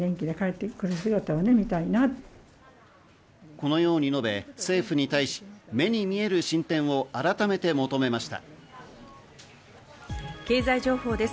このように述べ、政府に対し、目に見える進展を改めて求めました。